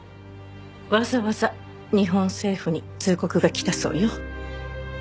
わざわざ日本政府に通告が来たそうよ。